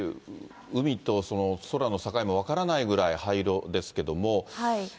海と空の境も分からないぐらい灰色ですけれども。